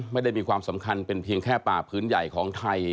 ไม่ได้มีความสำคัญเป็นเพียงแค่ป่าพื้นใหญ่ของไทย